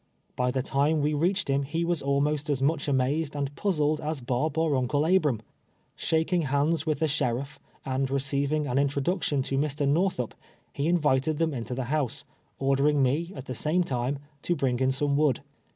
By the time we reached him he was almost as much amazed and puzzled as Bob or Uncle Abram. Shaking hands with the sheriff, and receiving an introduction to Mr. Xorthup, he invited them into the house, ordering me, at the same time, to bring in some wood.